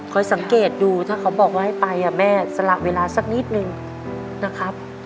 สังเกตดูถ้าเขาบอกว่าให้ไปแม่สละเวลาสักนิดนึงนะครับ